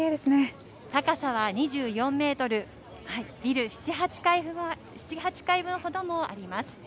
高さは２４メートル、ビル７、８階分ほどもあります。